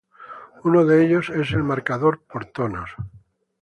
Uno de ellos es el marcador por tonos.